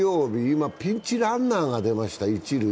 今、ピンチランナーが一塁に出ました。